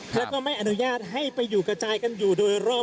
แล้วก็ไม่อนุญาตให้ไปอยู่กระจายกันอยู่โดยรอบ